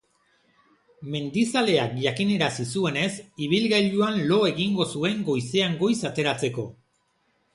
Mendizaleak jakinarazi zuenez, ibilgailuan lo egingo zuen goizean goiz ateratzeko.